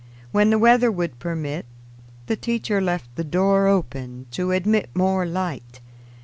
When the weather would permit, the teacher left the door open to admit more light.